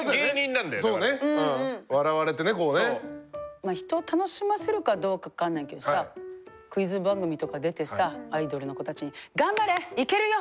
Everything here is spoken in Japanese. まあ人を楽しませるかどうか分かんないけどさクイズ番組とか出てさアイドルの子たちに「頑張れ！いけるよ！